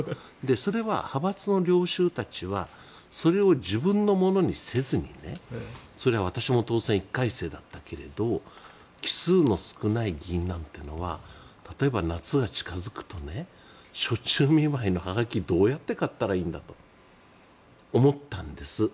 それは派閥の領袖たちはそれを自分のものにせずにそれは私も当選回数１回生だったけど期数の少ない議員なんてのは例えば夏が近付くと暑中見舞いのはがきをどう買ったらいいんだと思ったんです。